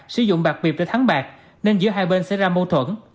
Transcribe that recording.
sử dụng bạc việp để thắng bạc nên giữa hai bên xảy ra mâu thuẫn